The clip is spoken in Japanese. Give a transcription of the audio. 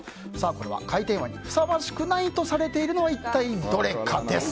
これは、開店祝いにふさわしくされていないのは一体どれかです。